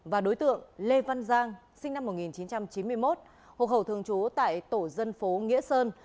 và đối tượng lê văn giang sinh năm một nghìn chín trăm chín mươi một hộ khẩu thường trú tại tổ dân phố nghĩa sơn